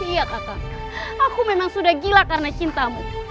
iya kakak aku memang sudah gila karena cintamu